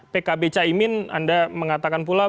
pkb caimin anda mengatakan pula